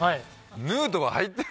ヌートバー入ってる。